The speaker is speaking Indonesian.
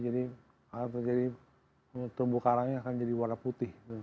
jadi akan terjadi terumbu karangnya akan jadi warna putih